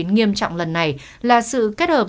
nghiêm trọng lần này là sự kết hợp